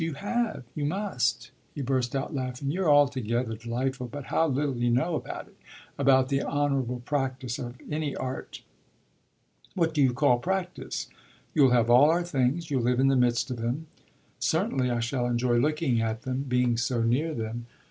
You have you must." He burst out laughing. "You're altogether delightful. But how little you know about it about the honourable practice of any art!" "What do you call practice? You'll have all our things you'll live in the midst of them." "Certainly I shall enjoy looking at them, being so near them."